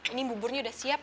ini buburnya udah siap